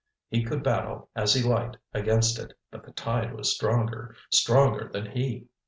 He could battle as he liked against it, but the tide was stronger, stronger than he.